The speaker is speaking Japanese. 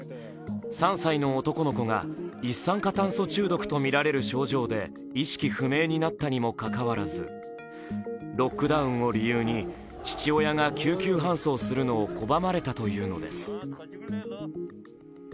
３歳の男の子が一酸化炭素中毒とみられる症状で意識不明になったにもかかわらずロックダウンを理由に父親が救急搬送するのを拒まれたというのです。